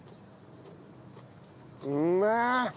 うめえ！